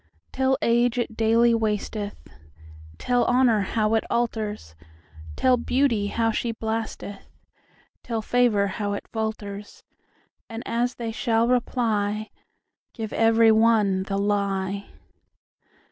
Tell age it daily wasteth; Tell honour how it alters; Tell beauty how she blasteth; Tell favour how it falters:And as they shall reply, Give every one the lie.